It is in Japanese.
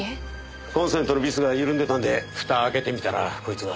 コンセントのビスがゆるんでたんで蓋開けてみたらこいつが。